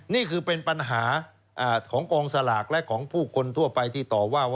นี่คือเป็นปัญหาของกองสลากและของผู้คนทั่วไปที่ต่อว่าว่า